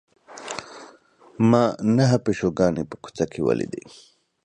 ما نهه پیشوګانې په کوڅه کې ولیدې.